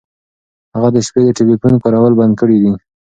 هغه د شپې د ټیلیفون کارول بند کړي دي.